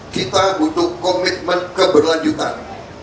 kita butuh komitmen keberlanjutan